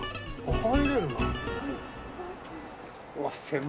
「入れるな」